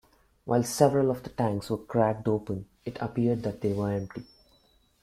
While several of the tanks were cracked open, it appeared that they were empty.